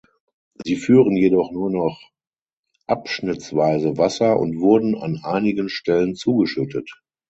Sie führen jedoch nur noch abschnittsweise Wasser und wurden an einigen Stellen zugeschüttet.